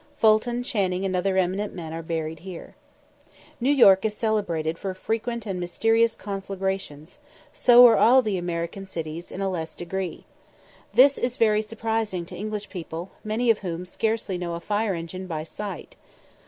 Fulton, Channing, and other eminent men are buried here. New York is celebrated for frequent and mysterious conflagrations; so are all the American cities in a less degree. This is very surprising to English people, many of whom scarcely know a fire engine by sight.